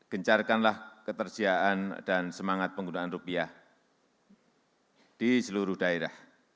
gencarkanlah ketersediaan dan semangat penggunaan rupiah di seluruh daerah